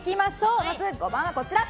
まず５番はこちら。